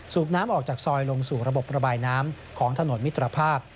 น้ำออกจากซอยลงสู่ระบบระบายน้ำของถนนมิตรภาพ